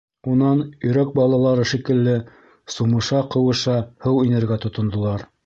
Унан, өйрәк балалары шикелле, сумыша-ҡыуыша һыу инергә тотондолар.